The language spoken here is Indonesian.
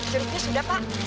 jeruknya sudah pak